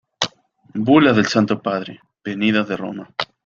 bula del Santo Padre, venida de Roma.